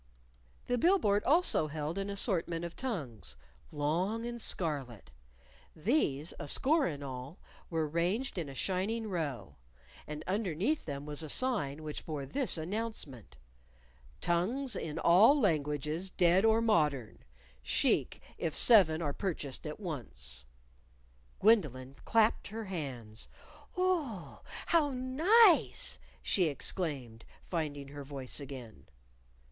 The bill board also held an assortment of tongues long and scarlet. These, a score in all, were ranged in a shining row. And underneath them was a sign which bore this announcement: Tongues In All Languages Dead or Modern Chic if Seven Are Purchased at Once. Gwendolyn clapped her hands. "Oo! how nice!" she exclaimed, finding her voice again.